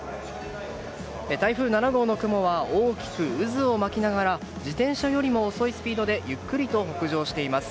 台風７号の雲は大きく渦を巻きながら自転車よりも遅いスピードでゆっくりと北上しています。